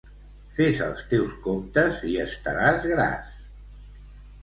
Fes els teus comptes i estaràs gras.